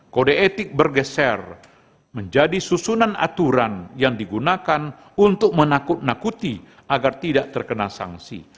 kode etik bergeser menjadi susunan aturan yang digunakan untuk menakut nakuti agar tidak terkena sanksi